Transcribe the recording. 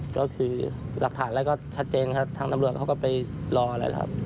ก็คือหลักฐานอะไรก็ชัดเจนครับทางตำรวจเขาก็ไปรออะไรครับ